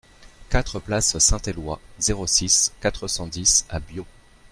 quatre place Saint-Eloi, zéro six, quatre cent dix à Biot